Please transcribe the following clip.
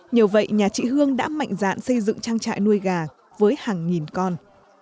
nhờ vậy nhà chị hương đã mạnh dạn xây dựng trang trại nuôi gà với hàng nghìn con